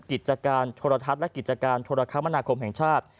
กิจการโทรทัศน์และกิจการโทรคมนาคมแห่งชาติ